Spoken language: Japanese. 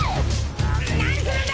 何するんだ！